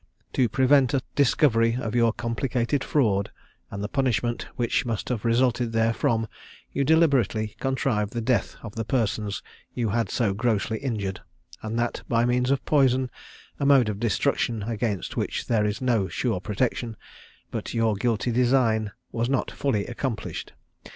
To prevent a discovery of your complicated fraud, and the punishment which must have resulted therefrom, you deliberately contrived the death of the persons you had so grossly injured, and that by means of poison, a mode of destruction against which there is no sure protection; but your guilty design was not fully accomplished.